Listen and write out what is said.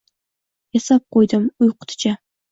Yasab qo‘ydim, uy-quticha